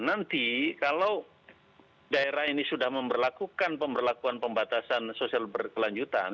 nanti kalau daerah ini sudah memperlakukan pemberlakuan pembatasan sosial berkelanjutan